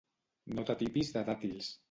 No t'atipis de dàtils.